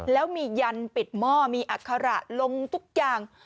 แล้วมียันปิดหม้อมีอัคระลงทุกอย่าง